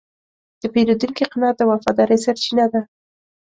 د پیرودونکي قناعت د وفادارۍ سرچینه ده.